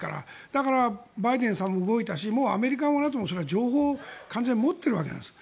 だからバイデンさんも動いたしアメリカもＮＡＴＯもそれは情報を完全に持ってるわけなんです。